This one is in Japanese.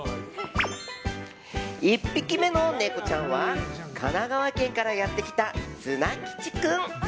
１匹目のネコちゃんは神奈川県からやってきたツナきち君。